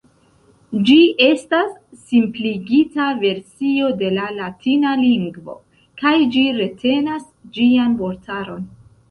Ĝi estas simpligita versio de la latina lingvo, kaj ĝi retenas ĝian vortaron.